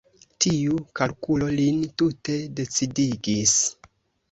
Tiu kalkulo lin tute decidigis.